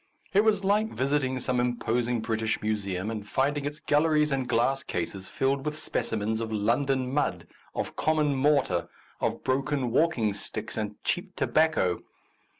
It was like visiting some imposing British Museum and finding its galleries and glass cases filled with speci mens of London mud, of common mortar, of broken walking sticks and cheap tobacco.